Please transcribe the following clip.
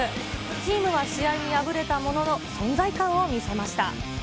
チームは試合に敗れたものの、存在感を見せました。